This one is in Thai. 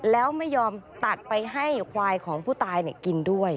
แล้วไม่ยอมตัดไปให้ควายของผู้ตายกินด้วย